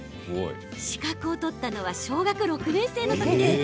資格を取ったのは小学６年生のとき。